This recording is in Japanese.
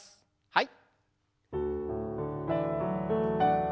はい。